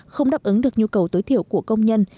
không đáp ứng được nhu cầu tối thiểu của công nhân